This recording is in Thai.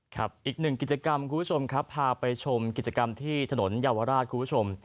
อีกหนึ่งกิจกรรมคุณผู้ชมครับพาไปชมกิจกรรมที่ถนนเยาวราชคุณผู้ชม